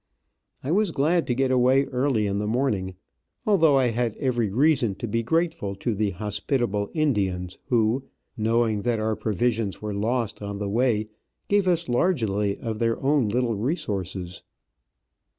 I was glad to get away early in the morning, although I had every reason to be grateful to the hospitable Indians, who, knowing that our pro visions were lost on the way, gave us largely of their own little resources.